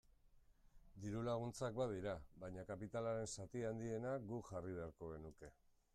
Diru-laguntzak badira, baina kapitalaren zati handiena guk jarri beharko genuke.